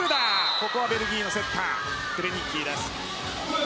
ここはベルギーのセッタークレニッキーです。